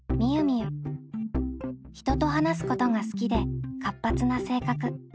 人と話すことが好きで活発な性格。